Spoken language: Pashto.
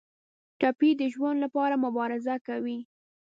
ټپي د ژوند لپاره مبارزه کوي.